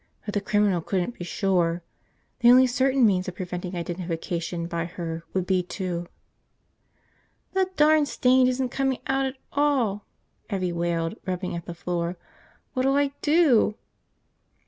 But the criminal couldn't be sure. The only certain means of preventing identification by her would be to ... "The darn stain isn't coming out at all!" Evvie wailed, rubbing at the floor. "What'll I do?"